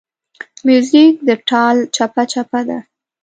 موزیک د ټال چپهچپه ده.